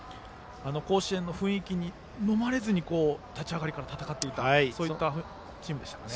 甲子園の雰囲気にのまれず立ち上がりから戦っていたというそういったチームでしたかね。